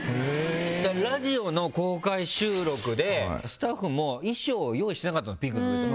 ラジオの公開収録でスタッフも衣装用意してなかったのピンクのベスト。